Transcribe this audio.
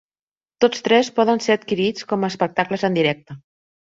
Tots tres poden ser adquirits com a espectacles en directe.